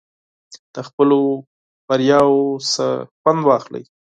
د خپلو کامیابیو څخه خوند واخلئ.